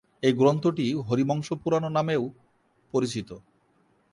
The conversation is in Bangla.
এই গ্রন্থটি হরিবংশ পুরাণ নামেও পরিচিত।